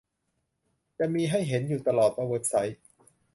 และมีให้เห็นอยู่ตลอดว่าเว็บไซต์